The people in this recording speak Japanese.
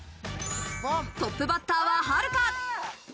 トップバッターは、はるか。